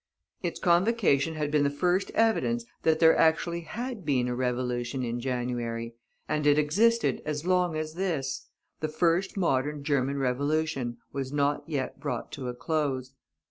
Its convocation had been the first evidence that there actually had been a revolution in January; and it existed as long as this, the first modern German Revolution, was not yet brought to a close.